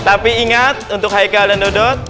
tapi ingat untuk haikal dan dodot